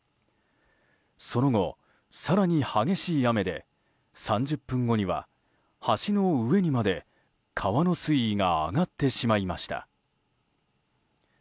その後、更に激しい雨で３０分後には橋の上にまで川の水位が上がってしまいました。